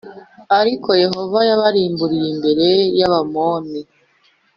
ariko Yehova yabarimburiye imbere y’Abamoni